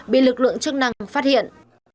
bị lực lượng chức năng phát hiện